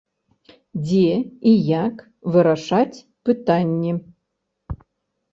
Дзе і як вырашаць пытанні.